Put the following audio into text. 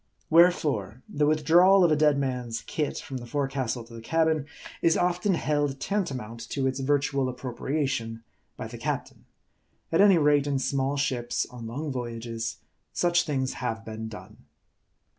Wherefore, the withdrawal of a dead man's "kit" from the forecastle to the cabin, is often held tantamount to its virtual appropriation by the captain. At any rate, in small ships on long voyages, such things have been done.